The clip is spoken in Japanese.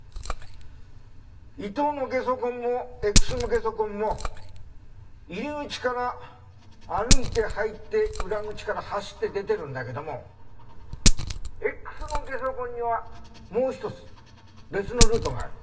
伊藤のゲソ痕もＸのゲソ痕も入り口から歩いて入って裏口から走って出てるんだけどもＸのゲソ痕にはもう一つ別のルートがある。